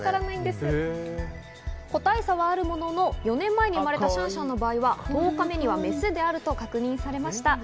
個体差はあるものの、４年前に生まれたシャンシャンの場合は、１０日目にはメスであると確認されました。